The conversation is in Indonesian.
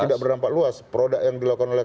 tidak berdampak luas produk yang dilakukan oleh